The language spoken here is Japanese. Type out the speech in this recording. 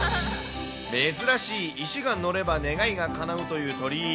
珍しい、石がのれば願いがかなうという鳥居。